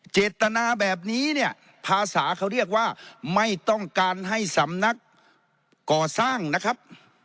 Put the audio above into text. เจตนาแบบนี้เนี่ยภาษาเขาเรียกว่าไม่ต้องการให้สำนักก่อสร้างนะครับ